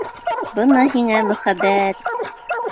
Бына һиңә мөхәббәт?!